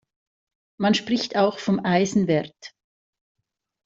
Man spricht auch vom Eisenwert.